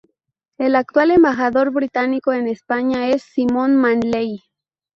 El actual embajador británico en España es Simon Manley.